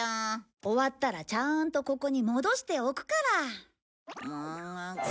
終わったらちゃんとここに戻しておくから。